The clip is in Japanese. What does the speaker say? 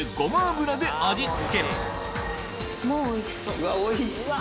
うわおいしそう！